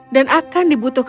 dan akan dibutuhkan untukmu